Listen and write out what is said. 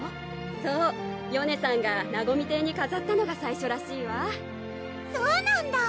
そうよねさんがなごみ亭に飾ったのが最初らしいわそうなんだ！